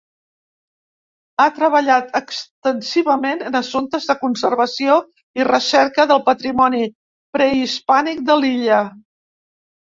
Ha treballat extensivament en assumptes de conservació i recerca del patrimoni prehispànic de l'illa.